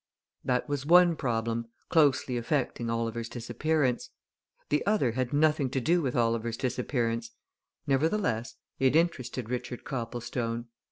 That was one problem closely affecting Oliver's disappearance. The other had nothing to do with Oliver's disappearance nevertheless, it interested Richard Copplestone.